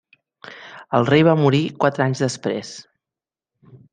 El rei va morir quatre anys després.